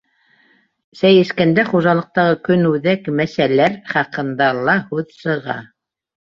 Сәй эскәндә хужалыҡтағы көнүҙәк мәсьәләр хаҡында ла һүҙ сыға.